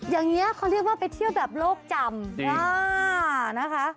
อย่างนี้เขาเรียกว่าไปเที่ยวแบบโลกจำนะคะ